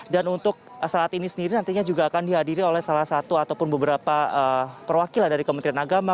dan untuk saat ini sendiri nantinya juga akan dihadiri oleh salah satu ataupun beberapa perwakilan dari kementerian agama